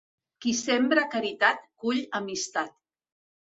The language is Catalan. Qui sembra caritat, cull amistat.